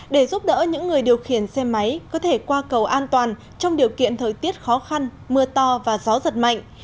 để giúp đỡ những người điều khiển xe máy có thể qua cầu an toàn trong điều kiện thời tiết khó khăn mưa to và gió giật mạnh